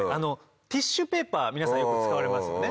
ティッシュペーパー皆さんよく使われますよね。